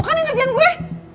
kan yang ngerjain gue